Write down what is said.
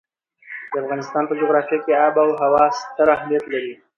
د افغانستان په جغرافیه کې آب وهوا ستر اهمیت لري.